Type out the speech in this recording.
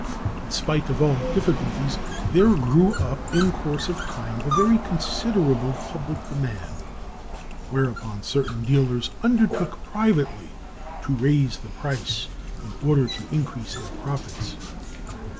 In spite of all difficulties, there grew up in course of time a very considerable public demand. Whereupon certain dealers undertook privately to raise the price in order to increase their profits.